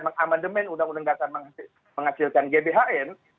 dengan amendement undang undang yang akan menghasilkan gbhn